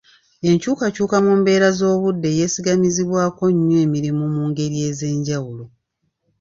Enkyukakyuka mu mbeera z'obudde yeesigamizibwako nnyo emirimu mu ngeri ez'enjawulo.